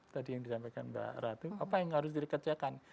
tadi yang disampaikan mbak ratu apa yang harus dikerjakan